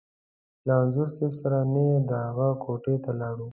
له انځور صاحب سره نېغ د هغه کوټې ته لاړو.